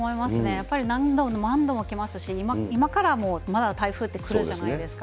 やっぱり何度も何度も来ますし、今からもまだ台風ってくるじゃないですか。